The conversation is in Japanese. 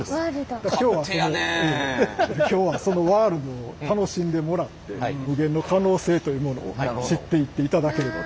今日はそのワールドを楽しんでもらって無限の可能性というものを知っていっていただければと。